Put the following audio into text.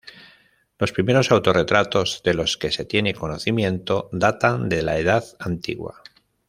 Los primeros autorretratos de los que se tiene conocimiento datan de la Edad Antigua.